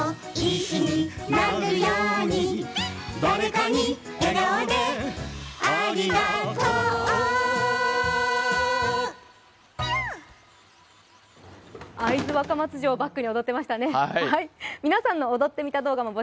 会津若松城をバックに踊っていましたね。